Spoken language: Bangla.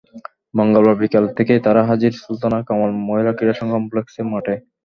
মঙ্গলবার বিকেল থেকেই তাঁরা হাজির সুলতানা কামাল মহিলা ক্রীড়া কমপ্লেক্স মাঠে।